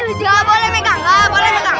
ia banget pak